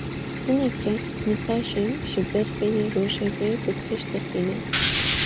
Hinek kes, nîqaşên ji derveyî rojevê bi pêş dixînin